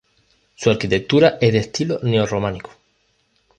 Su arquitectura es de estilo neorrománico.